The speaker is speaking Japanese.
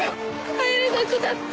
帰れなくなった。